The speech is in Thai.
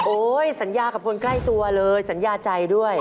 สัญญากับคนใกล้ตัวเลยสัญญาใจด้วย